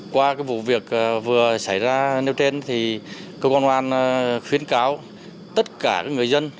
qua vụ việc vừa xảy ra nếu trên công an huyện khuyến cáo tất cả người dân